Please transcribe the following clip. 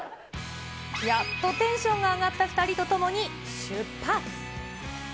やっとテンションが上がった２人と共に出発。